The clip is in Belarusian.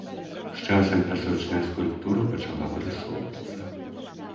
З часам пясочная скульптура пачала вырысоўвацца.